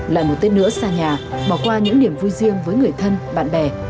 lại một tết nữa xa nhà bỏ qua những niềm vui riêng với người thân bạn bè